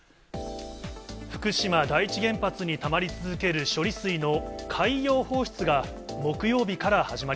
福島第一原発にたまり続ける処理水の海洋放出が、木曜日から始ま